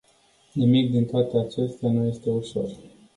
Nimic din toate acestea nu este ușor.